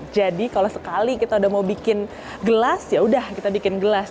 jadi kalau sekali kita sudah mau bikin gelas ya udah kita bikin gelas